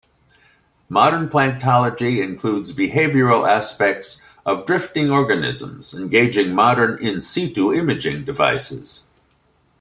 Modern planktology includes behavioral aspects of drifting organisms, engaging modern "in situ" imaging devices.